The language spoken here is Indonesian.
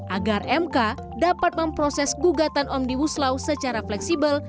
agar mk dapat memproses gugatan omnibus law secara fleksibel